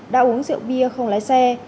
đã uống rượu bia không lái xe